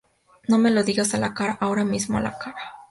no me lo digas a la cara. ahora mismo, a la cara.